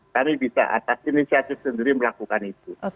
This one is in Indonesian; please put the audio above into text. kami bisa atas inisiatif sendiri melakukan itu